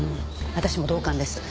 私も同感です。